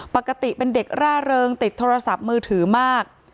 ปกติเป็นเด็กร่าเริงติดโทรศัพท์มือถือมาก